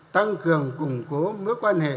tăng cường củng cố mối quan hệ